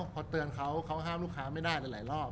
พอเตือนเขาเขาห้ามลูกค้าไม่ได้หลายรอบ